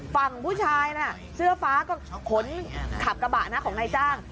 ฝั่งผู้ชายน่ะเสื้อฟ้าก็ขนขับกระบะนะของนายจ้าง